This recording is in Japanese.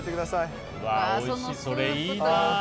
それいいなぁ。